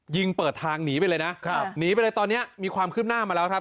ยิงเปิดทางหนีไปเลยนะครับหนีไปเลยตอนนี้มีความคืบหน้ามาแล้วครับ